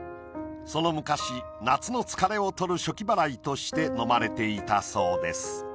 その昔夏の疲れを取る暑気払いとして飲まれていたそうです。